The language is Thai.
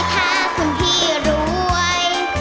ถ้าคุณพี่รวย